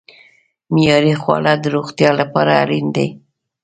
معیاري خواړه د روغتیا لپاره اړین دي.